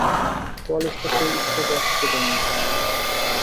কোয়ালিস্টরা সেই ইচ্ছা জগতে দেয় নি।